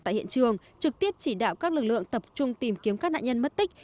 tại hiện trường trực tiếp chỉ đạo các lực lượng tập trung tìm kiếm các nạn nhân mất tích